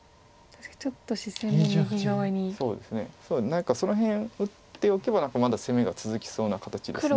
何かその辺打っておけばまだ攻めが続きそうな形です。